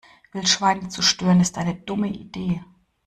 Wildschweine zu stören ist eine dumme Idee.